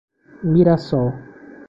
Mirassol